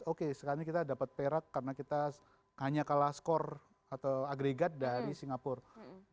oke sekarang kita dapat perak karena kita hanya kalah skor atau agregat dari singapura